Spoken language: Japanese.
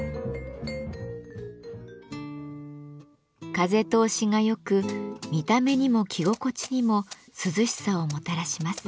風通しが良く見た目にも着心地にも涼しさをもたらします。